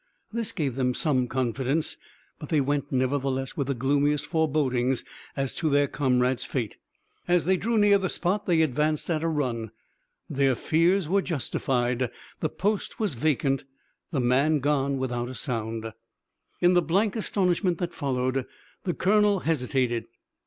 This gave them some confidence, but they went nevertheless with the gloomiest forebodings as to their comrade's fate. As they drew near the spot they advanced at a run. Their fears were justified. The post was vacant the man gone without a sound. In the blank astonishment that followed, the colonel hesitated.